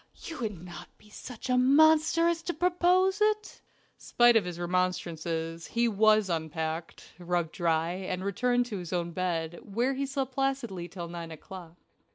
"You wouldn't be such a monster as to propose it." Spite of his remonstances, he was unpacked, rubbed dry, and returned to his own bed, where he slept placidly till nine o'clock.